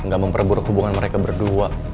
gak memperburuk hubungan mereka berdua